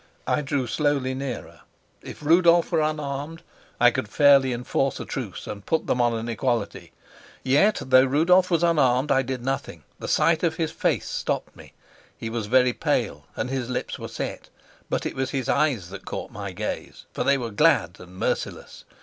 I drew slowly nearer: if Rudolf were unarmed, I could fairly enforce a truce and put them on an equality; yet, though Rudolf was unarmed, I did nothing. The sight of his face stopped me. He was very pale and his lips were set, but it was his eyes that caught my gaze, for they were glad and merciless.